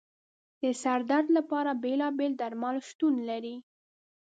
د سر درد لپاره بېلابېل درمل شتون لري.